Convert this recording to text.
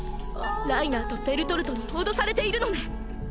ライナーとベルトルトに脅されているのね？